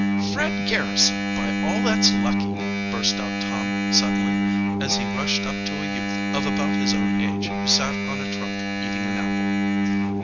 "Fred Garrison, by all that's lucky!" burst out Tom suddenly, as he rushed up to a youth of about his own age who sat on a trunk eating an apple.